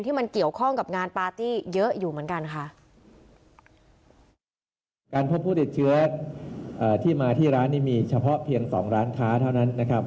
ที่มันเกี่ยวข้องกับงานปาร์ตี้เยอะอยู่เหมือนกัน